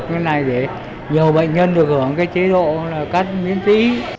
cắt tóc này để nhiều bệnh nhân được hưởng cái chế độ là cắt miễn phí